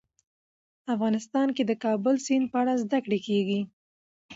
افغانستان کې د د کابل سیند په اړه زده کړه کېږي.